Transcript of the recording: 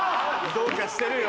どうかしてるよ。